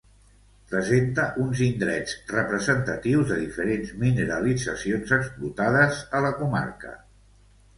Presenta uns indrets representatius de diferents mineralitzacions explotades a la comarca.